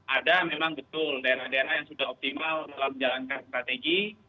ada memang betul daerah daerah yang sudah optimal dalam menjalankan strategi